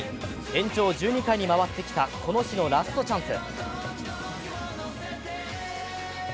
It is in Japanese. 延長１２回に回ってきたこの日のラストチャンス。